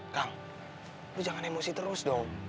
kang lu jangan emosi terus dong